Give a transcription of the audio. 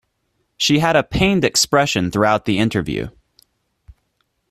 She had a pained expression throughout the interview.